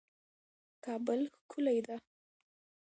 کابل ښکلی ده